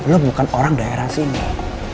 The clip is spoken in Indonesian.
lo bukan orang daerah sini